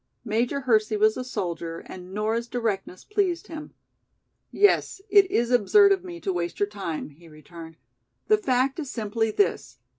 Major Hersey was a soldier and Nora's directness pleased him. "Yes, it is absurd of me to waste your time," he returned. "The fact is simply this.